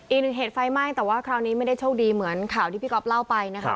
อีกหนึ่งเหตุไฟไหม้แต่ว่าคราวนี้ไม่ได้โชคดีเหมือนข่าวที่พี่ก๊อฟเล่าไปนะคะ